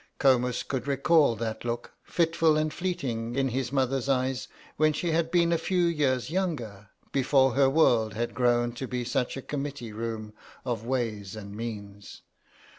Comus could recall that look, fitful and fleeting, in his mother's eyes when she had been a few years younger, before her world had grown to be such a committee room of ways and means.